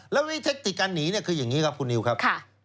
แล้วเทคติการหนีคืออย่างนี้ครับคุณนิวครับ